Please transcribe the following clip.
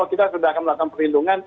kita sudah akan melakukan perlindungan